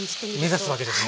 目指すわけですね。